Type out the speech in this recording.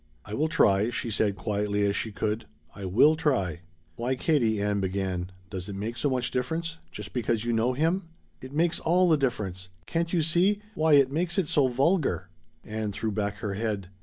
"I will try," she said quietly as she could. "I will try." "Why, Katie," Ann began, "does it make so much difference just because you know him?" "It makes all the difference! Can't you see why it makes it so vulgar." Ann threw back her head.